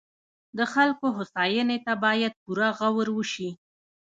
د خلکو هوساینې ته باید پوره غور وشي.